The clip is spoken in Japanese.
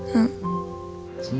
うん。